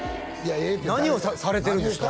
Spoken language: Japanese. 何をされてるんですか？